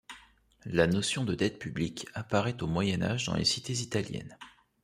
La notion de dette publique apparaît au Moyen Âge dans les cités italiennes.